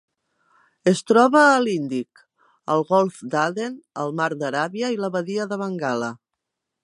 Es troba a l'Índic: el golf d'Aden, el mar d'Aràbia i la badia de Bengala.